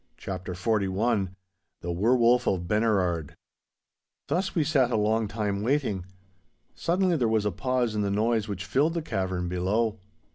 *CHAPTER XLI* *THE WERE WOLF OF BENERARD* Thus we sat a long time, waiting. Suddenly there was a pause in the noise which filled the cavern below.